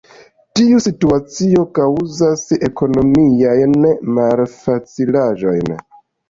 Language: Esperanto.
Tiu situacio kaŭzas ekonomiajn malfacilaĵojn.